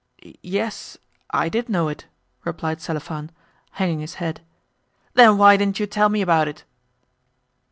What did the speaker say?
"Yes, I did know it," replied Selifan, hanging his head. "Then why didn't you tell me about it?"